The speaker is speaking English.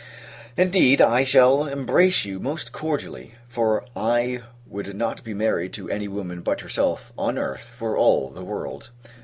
Indeed, I shall embrace you most cordially; for I would not be married to any woman, but yourself, on earth, for all the world.